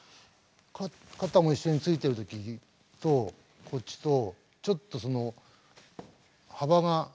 肩も一緒についてる時とこっちとちょっとその幅が違くない？